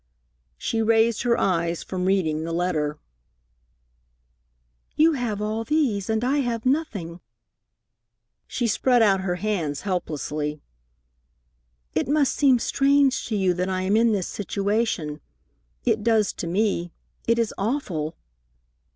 She raised her eyes from reading the letter. "You have all these, and I have nothing." She spread out her hands helplessly. "It must seem strange to you that I am in this situation. It does to me. It is awful."